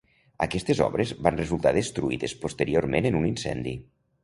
Aquestes obres van resultar destruïdes posteriorment en un incendi.